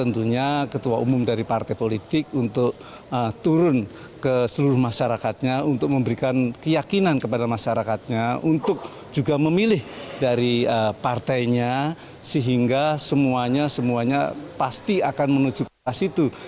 tentunya ketua umum dari partai politik untuk turun ke seluruh masyarakatnya untuk memberikan keyakinan kepada masyarakatnya untuk juga memilih dari partainya sehingga semuanya semuanya pasti akan menuju ke situ